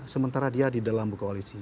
sementara dia di dalam koalisi